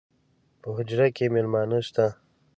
پۀ حجره کې میلمانۀ شته دي